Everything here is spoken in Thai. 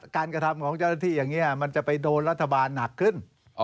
กระทำของเจ้าหน้าที่อย่างนี้มันจะไปโดนรัฐบาลหนักขึ้น